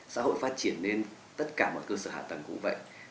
xã hội phát triển lên tất cả mọi cơ sở hạ tầng cũng vậy